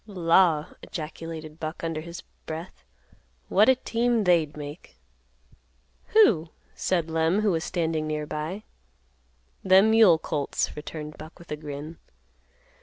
"Law!" ejaculated Buck, under his breath; "what a team they'd make!" "Who?" said Lem, who was standing near by. "Them mule colts," returned Buck with a grin.